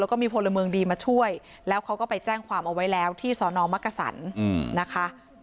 แล้วก็มีพลเมืองดีมาช่วยแล้วเขาก็ไปแจ้งความเอาไว้แล้วที่สอนอมักกษันนะคะ